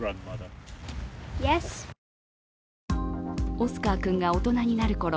オスカー君が大人になるころ